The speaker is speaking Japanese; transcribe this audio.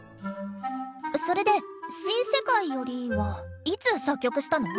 それで「新世界より」はいつ作曲したの？